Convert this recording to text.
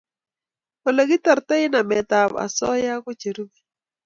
Ole kitortoi nametab osoya ko cherubei: